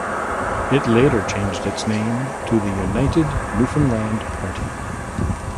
It later changed its name to the United Newfoundland Party.